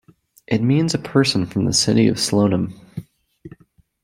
It means "a person from the city of Slonim".